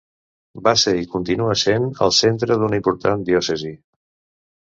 Va ser i continua sent el centre d'una important diòcesi.